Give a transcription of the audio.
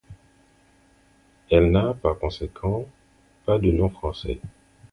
Elle n'a par conséquent pas de nom français.